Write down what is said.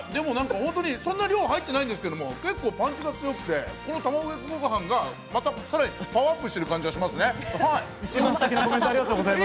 そんなに量、入ってないんですけど、結構パンチが強くて、卵かけご飯がさらにパワーアップしている感じがしますね。